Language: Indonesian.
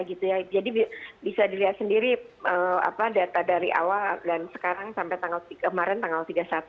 jadi bisa dilihat sendiri data dari awal dan sekarang sampai kemarin tanggal tiga puluh satu